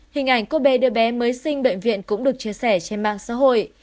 hình ảnh cô bê đưa bé mới sinh bệnh viện cũng được chia sẻ trên mạng xã hội